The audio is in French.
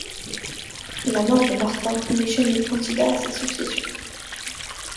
La mort de Martin déchaîne les candidats à sa succession.